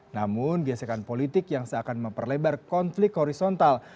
namun gesekan politik yang seakan memperlebar konflik horizontal